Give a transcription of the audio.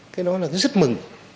cái đó là rất mừng